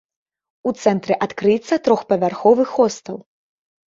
У цэнтры адкрыецца трохпавярховы хостэл.